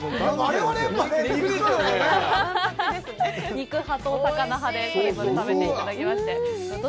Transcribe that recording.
肉派とお魚派でそれぞれ食べていただきまして。